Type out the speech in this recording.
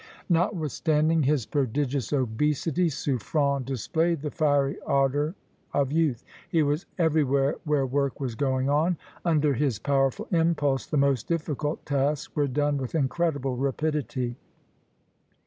"Notwithstanding his prodigious obesity, Suffren displayed the fiery ardor of youth; he was everywhere where work was going on. Under his powerful impulse, the most difficult tasks were done with incredible rapidity.